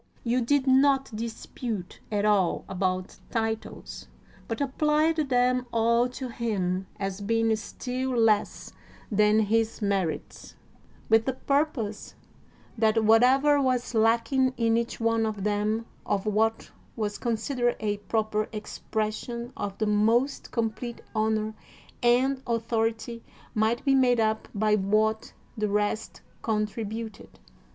You did not dispute at all about titles, but applied them all to him as being still less than his merits, with the purpose that whatever was lacking in each one of them of what was considered a proper expression of the most complete honor and authority might be made up by what the rest contributed.